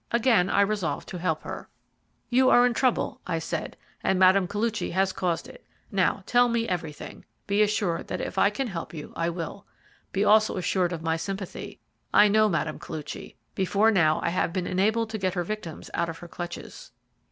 Again I resolved to help her. "You are in trouble," I said; "and Mme. Koluchy has caused it. Now, tell me everything. Be assured that if I can help you I will. Be also assured of my sympathy. I know Mme. Koluchy. Before now I have been enabled to get her victims out of her clutches."